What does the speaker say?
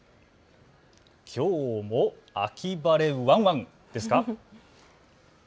きょうも秋晴れワンワンですか。